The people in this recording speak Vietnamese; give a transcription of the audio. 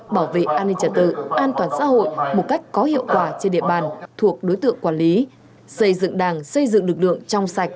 bảo vệ an ninh trật tự an toàn xã hội một cách có hiệu quả trên địa bàn thuộc đối tượng quản lý xây dựng đảng xây dựng lực lượng trong sạch